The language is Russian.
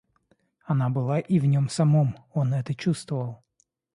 Она была и в нем самом — он это чувствовал.